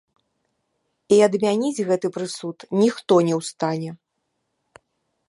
І адмяніць гэты прысуд ніхто не ў стане.